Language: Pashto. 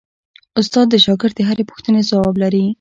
استاد د شاګرد د هرې پوښتنې ځواب لري.